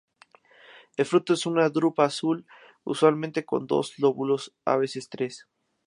El fruto es una drupa azul, usualmente con dos lóbulos, a veces tres.